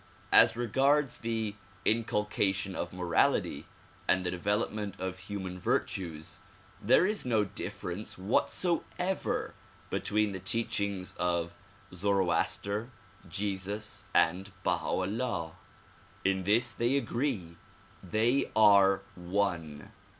As regards the inculcation of morality and the development of human virtues there is no differ ence whatsoever between the teachings of Zoroaster, Jesus and Baha 'Ullah. In this they agree ; they are one.